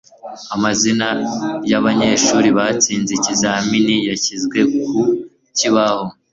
Amazina yabanyeshuri batsinze ikizamini yashyizwe ku kibaho